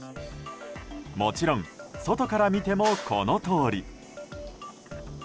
もちろん外から見てもこのとおり。